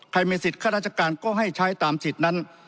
มีสิทธิข้าราชการก็ให้ใช้ตามสิทธิ์นั้น